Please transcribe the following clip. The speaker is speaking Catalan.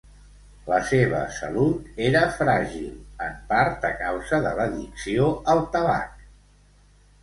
La seva salut era fràgil, en part a causa de l'addicció al tabac.